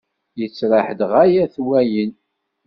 Yettraḥ-d ɣaya-t wayen!